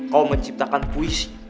kau menciptakan puisi